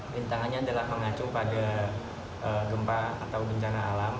rintangannya adalah mengacu pada gempa atau bencana alam